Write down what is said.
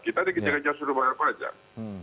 kita dikejakan jauh suruh bayar pajak